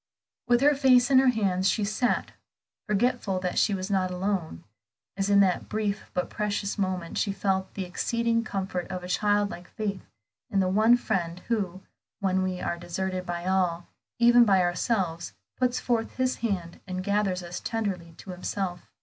With her face in her hands, she sat, forgetful that she was not alone, as in that brief but precious moment she felt the exceeding comfort of a childlike faith in the one Friend who, when we are deserted by all, even by ourselves, puts forth His hand and gathers us tenderly to Himself.